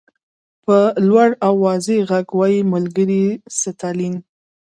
په لوړ او واضح غږ وایي ملګری ستالین.